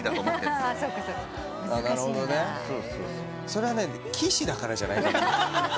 それはね岸だからじゃないかな？